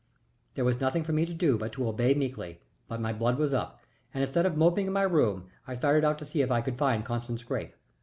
There was nothing for me to do but to obey meekly, but my blood was up, and instead of moping in my room I started out to see if I could find Constant Scrappe.